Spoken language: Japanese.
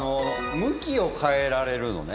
向きを変えられるのね。